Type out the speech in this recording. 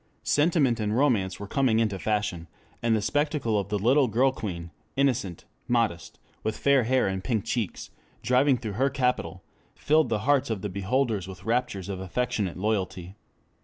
Sentiment and romance were coming into fashion; and the spectacle of the little girl queen, innocent, modest, with fair hair and pink cheeks, driving through her capital, filled the hearts of the beholders with raptures of affectionate loyalty.